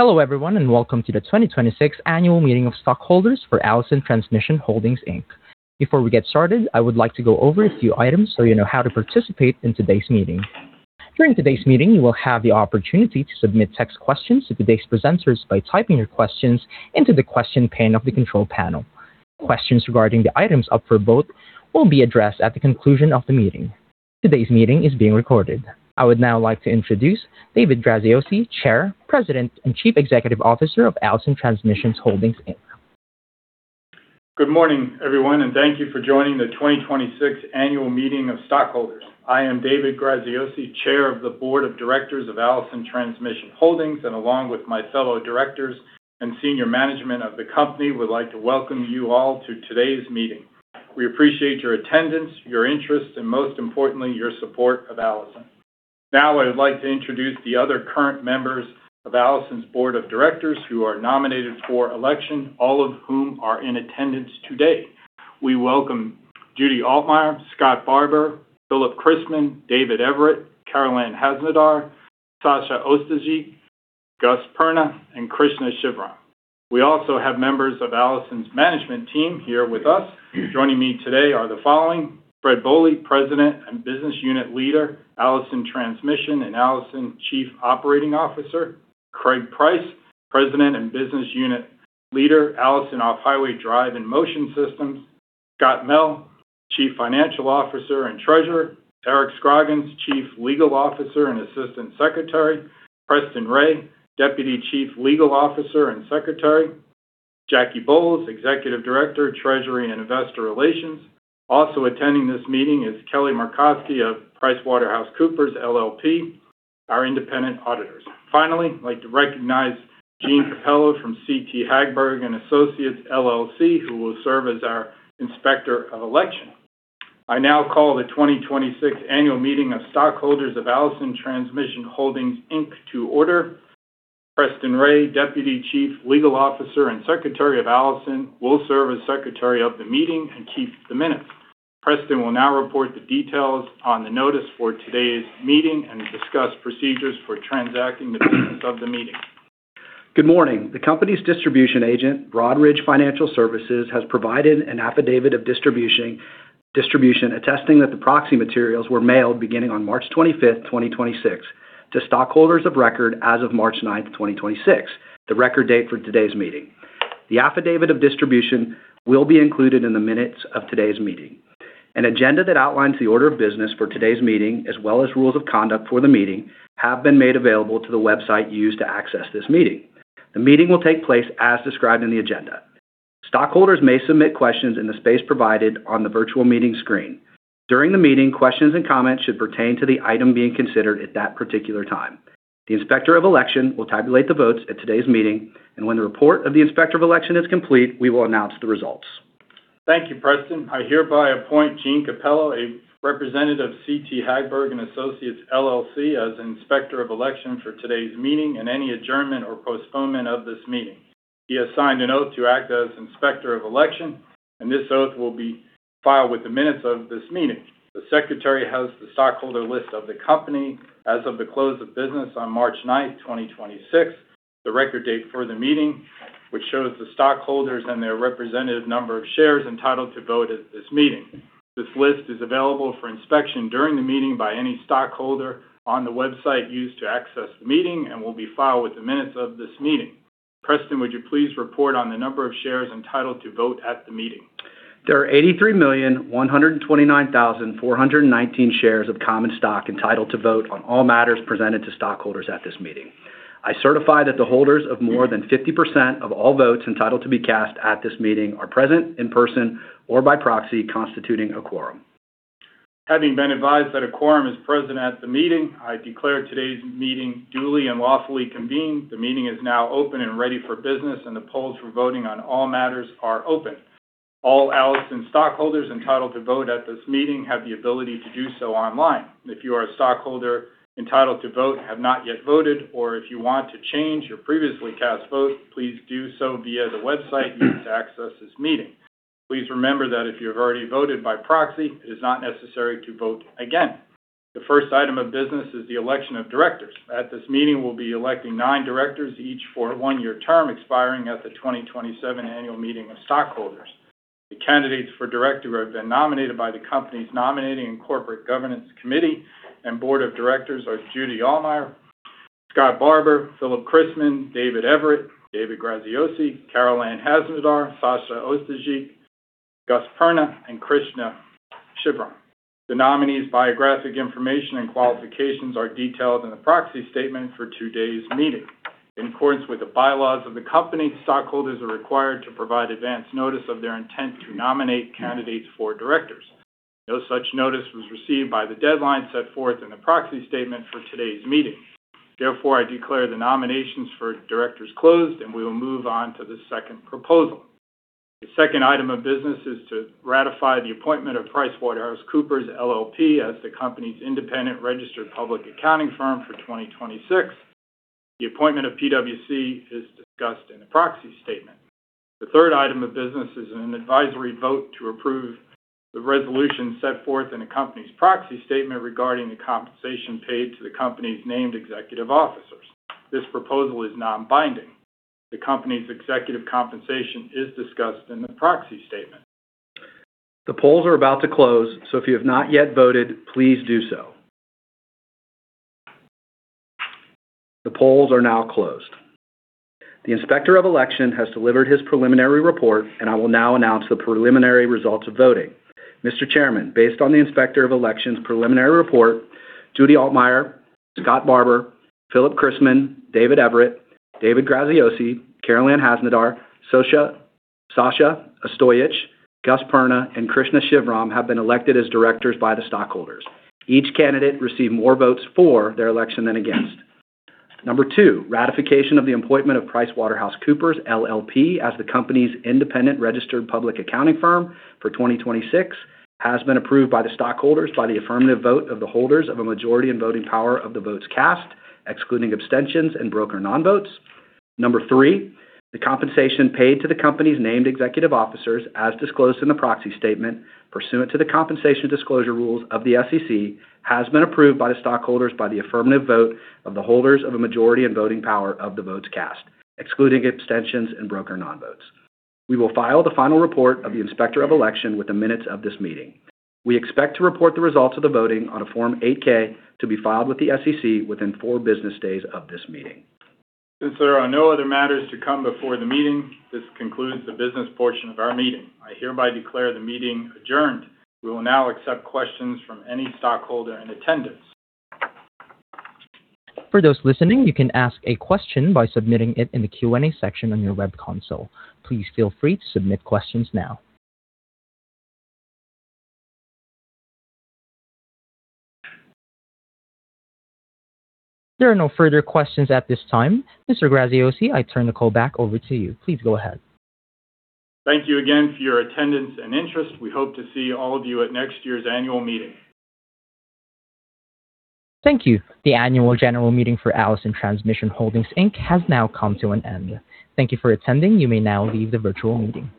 Hello, everyone, and welcome to the 2026 Annual Meeting of Stockholders for Allison Transmission Holdings Inc. Before we get started, I would like to go over a few items so you know how to participate in today's meeting. During today's meeting, you will have the opportunity to submit text questions to today's presenters by typing your questions into the question pane of the control panel. Questions regarding the items up for vote will be addressed at the conclusion of the meeting. Today's meeting is being recorded. I would now like to introduce David Graziosi, Chair, President, and Chief Executive Officer of Allison Transmission Holdings Inc. Good morning, everyone, and thank you for joining the 2026 Annual Meeting of Stockholders. I am David Graziosi, chair of the board of directors of Allison Transmission Holdings, and along with my fellow directors and senior management of the company, would like to welcome you all to today's meeting. We appreciate your attendance, your interest, and most importantly, your support of Allison. Now I would like to introduce the other current members of Allison's board of directors who are nominated for election, all of whom are in attendance today. We welcome Judy Altmaier, D. Scott Barbour, Philip J. Christman, David C. Everitt, Carolann Haznedar, Sasha Ostojic, Gus Perna, and Krishna Shivram. We also have members of Allison's management team here with us. Joining me today are the following: Fred Bohley, President and Business Unit Leader, Allison Transmission and Allison Chief Operating Officer; Craig Price, President and Business Unit Leader, Allison Off-Highway Drive & Motion Systems; Scott Mell, Chief Financial Officer and Treasurer; Eric Scroggins, Chief Legal Officer and Assistant Secretary; Preston Ray, Deputy Chief Legal Officer and Secretary; Jackie Bowles, Executive Director, Treasury and Investor Relations. Also attending this meeting is Kelly Markoski of PricewaterhouseCoopers LLP, our independent auditors. Finally, I'd like to recognize Gene Capello from C.T. Hagberg & Associates, LLC, who will serve as our Inspector of Election. I now call the 2026 Annual Meeting of Stockholders of Allison Transmission Holdings Inc. to order. Preston Ray, Deputy Chief Legal Officer and Secretary of Allison, will serve as secretary of the meeting and keep the minutes. Preston will now report the details on the notice for today's meeting and discuss procedures for transacting the business of the meeting. Good morning. The company's distribution agent, Broadridge Financial Services, has provided an affidavit of distribution attesting that the proxy materials were mailed beginning on March 25th, 2026 to stockholders of record as of March 9th, 2026, the record date for today's meeting. The affidavit of distribution will be included in the minutes of today's meeting. An agenda that outlines the order of business for today's meeting, as well as rules of conduct for the meeting, have been made available to the website used to access this meeting. The meeting will take place as described in the agenda. Stockholders may submit questions in the space provided on the virtual meeting screen. During the meeting, questions and comments should pertain to the item being considered at that particular time. The inspector of election will tabulate the votes at today's meeting, and when the report of the inspector of election is complete, we will announce the results. Thank you, Preston. I hereby appoint Gene Capello, a representative of CT Hagberg & Associates, LLC, as inspector of election for today's meeting and any adjournment or postponement of this meeting. He has signed an oath to act as inspector of election, and this oath will be filed with the minutes of this meeting. The secretary has the stockholder list of the company as of the close of business on March 9th, 2026, the record date for the meeting, which shows the stockholders and their representative number of shares entitled to vote at this meeting. This list is available for inspection during the meeting by any stockholder on the website used to access the meeting and will be filed with the minutes of this meeting. Preston, would you please report on the number of shares entitled to vote at the meeting? There are 83,129,419 shares of common stock entitled to vote on all matters presented to stockholders at this meeting. I certify that the holders of more than 50% of all votes entitled to be cast at this meeting are present in person or by proxy, constituting a quorum. Having been advised that a quorum is present at the meeting, I declare today's meeting duly and lawfully convened. The meeting is now open and ready for business, and the polls for voting on all matters are open. All Allison stockholders entitled to vote at this meeting have the ability to do so online. If you are a stockholder entitled to vote and have not yet voted, or if you want to change your previously cast vote, please do so via the website used to access this meeting. Please remember that if you have already voted by proxy, it is not necessary to vote again. The first item of business is the election of directors. At this meeting, we'll be electing nine directors, each for a one-year term expiring at the 2027 Annual Meeting of Stockholders. The candidates for director who have been nominated by the company's nominating and corporate governance committee and board of directors are Judy Altmaier, Scott Barbour, Philip Christman, David Everitt, David Graziosi, Carolann Haznedar, Sasha Ostojic, Gustave Perna, and Krishna Shivram. The nominees' biographic information and qualifications are detailed in the proxy statement for today's meeting. In accordance with the bylaws of the company, stockholders are required to provide advance notice of their intent to nominate candidates for directors. No such notice was received by the deadline set forth in the proxy statement for today's meeting. Therefore, I declare the nominations for directors closed, and we will move on to the second proposal. The second item of business is to ratify the appointment of PricewaterhouseCoopers LLP as the company's independent registered public accounting firm for 2026. The appointment of PwC is discussed in the proxy statement. The third item of business is an advisory vote to approve the resolution set forth in the company's proxy statement regarding the compensation paid to the company's named executive officers. This proposal is non-binding. The company's executive compensation is discussed in the proxy statement. The polls are about to close, so if you have not yet voted, please do so. The polls are now closed. The Inspector of Election has delivered his preliminary report, and I will now announce the preliminary results of voting. Mr. Chairman, based on the Inspector of Election's preliminary report, Judy Altmaier, Scott Barbour, Philip Christman, David Everitt, David Graziosi, Carolann Haznedar, Sasha Ostojic, Gus Perna, and Krishna Shivram have been elected as directors by the stockholders. Each candidate received more votes for their election than against. Number two, ratification of the appointment of PricewaterhouseCoopers LLP as the company's independent registered public accounting firm for 2026 has been approved by the stockholders by the affirmative vote of the holders of a majority in voting power of the votes cast, excluding abstentions and broker non-votes. Number three, the compensation paid to the company's named executive officers, as disclosed in the proxy statement pursuant to the compensation disclosure rules of the SEC, has been approved by the stockholders by the affirmative vote of the holders of a majority in voting power of the votes cast, excluding abstentions and broker non-votes. We will file the final report of the Inspector of Election with the minutes of this meeting. We expect to report the results of the voting on a Form 8-K to be filed with the SEC within four business days of this meeting. Since there are no other matters to come before the meeting, this concludes the business portion of our meeting. I hereby declare the meeting adjourned. We will now accept questions from any stockholder in attendance. For those listening, you can ask a question by submitting it in the Q&A section on your web console. Please feel free to submit questions now. There are no further questions at this time. Mr. Graziosi, I turn the call back over to you. Please go ahead. Thank you again for your attendance and interest. We hope to see all of you at next year's annual meeting. Thank you. The annual general meeting for Allison Transmission Holdings Inc. has now come to an end. Thank you for attending. You may now leave the virtual meeting.